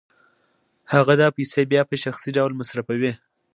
هغه دا پیسې بیا په شخصي ډول مصرفوي